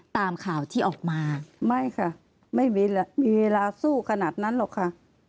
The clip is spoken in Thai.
ตามข่าวที่ออกมาไม่ค่ะไม่มีมีเวลาสู้ขนาดนั้นหรอกค่ะ